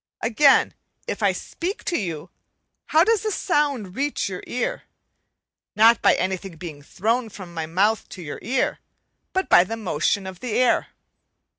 Again, if I speak to you, how does the sound reach you ear? Not by anything being thrown from my mouth to your ear, but by the motion of the air.